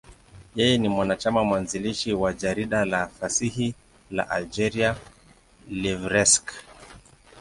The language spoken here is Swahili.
Yeye ni mwanachama mwanzilishi wa jarida la fasihi la Algeria, L'Ivrescq.